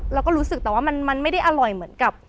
เราก็รู้สึกแต่ว่ามันไม่ได้อร่อยเหมือนกับ